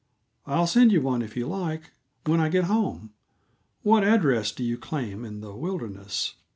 "I'll send you one, if you like, when I get home. What address do you claim, in this wilderness?"